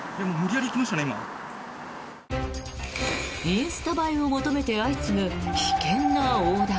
インスタ映えを求めて相次ぐ危険な横断。